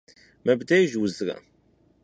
Mıbdêjj vuzre?